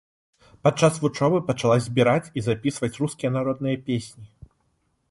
Падчас вучобы пачала збіраць і запісваць рускія народныя песні.